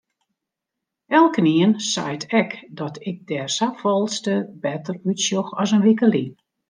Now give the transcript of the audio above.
Elkenien seit ek dat ik der safolleste better útsjoch as in wike lyn.